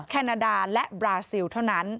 แคนาดาและบราซิลเท่านั้น